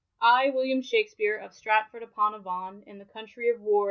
I William Shackspeare, of Stratford upon Avon in the countie of Warr.